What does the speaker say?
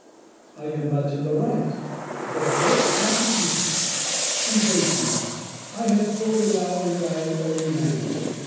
I am much in the right, therefore, not to keep it. Embrace me : I have spoken now in thy own manner.